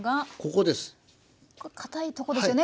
これかたいとこですよね